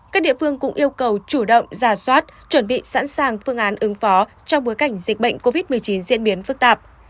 các địa phương cũng yêu cầu chủ động giả soát chuẩn bị sẵn sàng phương án ứng phó trong bối cảnh dịch bệnh covid một mươi chín diễn biến phức tạp